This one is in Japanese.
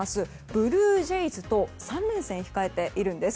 ブルージェイズと３連戦を控えているんです。